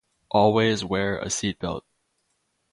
Always wear a seatbelt.